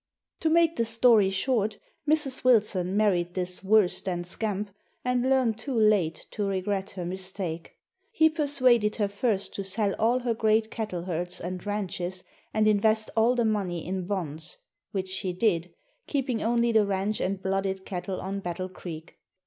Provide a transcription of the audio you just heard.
To make the story short, Mrs. Wilson married this worse than scamp and learned too late to regret her mistake. He persuaded her first to sell all her great cattle herds and ranches and invest all the money in bonds, which she did, keeping only the ranch and blooded cattle on Battle Creek.